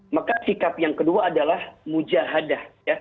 maka sikap yang kedua adalah mujahadah